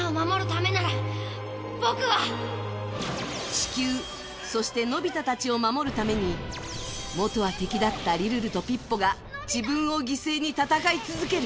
地球、そしてのび太たちを守るためにもとは敵だったリルルとピッポが自分を犠牲に戦い続ける。